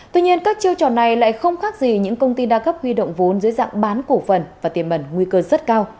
tuy nhiên các chiêu trò này lại không khác gì những công ty đa cấp huy động vốn dưới dạng bán cổ phần và tiềm ẩn nguy cơ rất cao